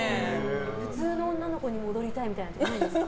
普通の女の子に戻りたいみたいなのないんですか。